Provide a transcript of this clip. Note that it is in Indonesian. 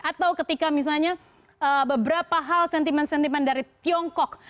atau ketika misalnya beberapa hal sentimen sentimen dari tiongkok